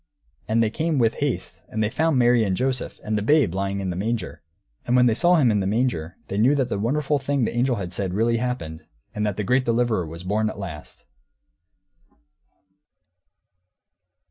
And they came, with haste, and they found Mary, and Joseph, and the babe lying in a manger. And when they saw Him in the manger, they knew that the wonderful thing the angel said had really happened, and that the great deliverer was born at last.